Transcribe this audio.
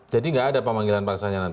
jadi tidak ada pemanggilan paksanya nanti